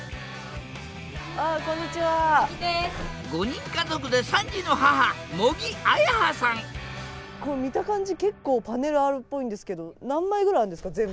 ５人家族で３児の母茂木文葉さん見た感じ結構パネルあるっぽいんですけど何枚ぐらいあるんですか？